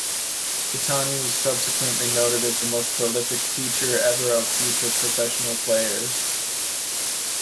Kitani was subsequently noted as the most prolific teacher ever of future professional players.